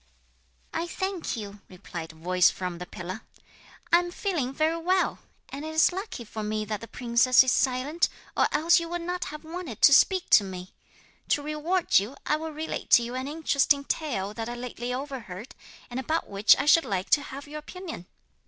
'I thank you,' replied a voice from the pillar, 'I am feeling very well. And it is lucky for me that the princess is silent, or else you would not have wanted to speak to me. To reward you, I will relate to you an interesting tale that I lately overheard, and about which I should like to have your opinion.'